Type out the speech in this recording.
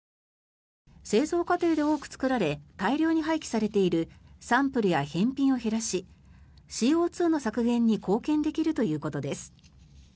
製造過程で多く作られ大量に廃棄されているサンプルや返品を減らしＣＯ２の削減に貢献できるということです。